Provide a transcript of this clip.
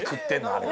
あれ。